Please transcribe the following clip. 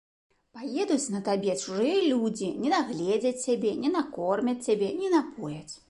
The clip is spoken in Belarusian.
Паедуць на табе чужыя людзі, не дагледзяць цябе, не накормяць цябе, не напояць.